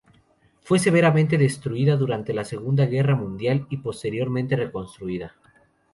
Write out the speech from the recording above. Fue severamente destruida durante la Segunda Guerra Mundial y posteriormente reconstruida.